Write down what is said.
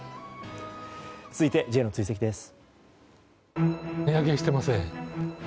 続いて、Ｊの追跡です。